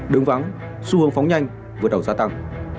đứng vắng xu hướng phóng nhanh vượt đầu gia tăng